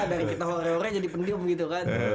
dari kita horornya jadi pendium gitu kan